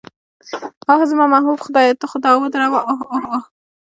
اوه، زما محبوب خدایه ته خو دا ودروه، اوه اوه اوه.